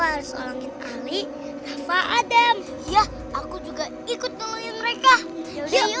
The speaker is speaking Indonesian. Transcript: hai nah wok bahaya teman makannya monster lagi kali mah adem yah aku juga ikut telah mereka yororo